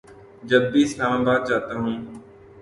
جب بھی اسلام آباد جاتا ہوں